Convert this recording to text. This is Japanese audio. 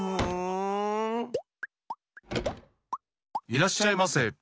いらっしゃいませ！